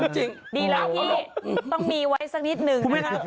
ดีหรอพี่ต้องมีไว้สักนิดหนึ่งนะ